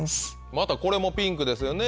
またこれもピンクですよね